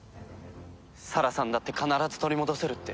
沙羅さんだって必ず取り戻せるって。